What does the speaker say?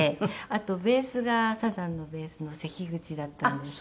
あとベースがサザンのベースの関口だったんです。